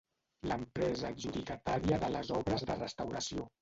L'empresa adjudicatària de les obres de restauració.